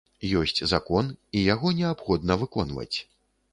Ёсць закон, і яго неабходна выконваць.